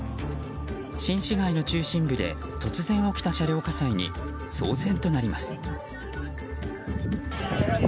新市街の中心部で突然起きた車両火災に騒然となります。